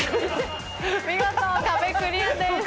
見事壁クリアです。